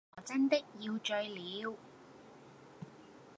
我真的要醉了！